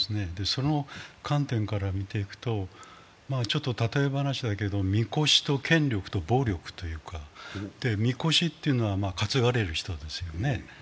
その観点から見ていくと例え話だけど神輿と権力と暴力というのがあって、神輿というのは担がれる人ですよね。